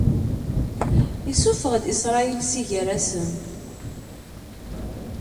Issufeɣ-d Isṛayil si gar-asen.